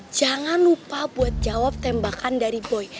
jangan lupa buat jawab tembakan dari boy